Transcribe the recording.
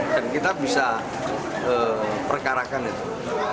dan kita bisa perkarakan itu